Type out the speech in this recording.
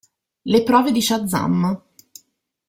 Le prove di Shazam!